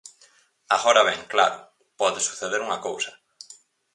Agora ben, claro, pode suceder unha cousa.